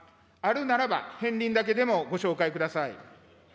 あるならば、片りんだけでもご紹介ください。